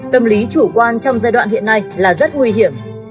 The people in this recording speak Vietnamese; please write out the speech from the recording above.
tâm lý chủ quan trong giai đoạn hiện nay là rất nguy hiểm